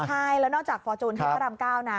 ใช่แล้วนอกจากฟอร์จูนพระอำเก้านะ